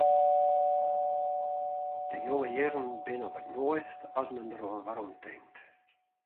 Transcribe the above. De jonge jierren binne op it moaist as men deroan weromtinkt.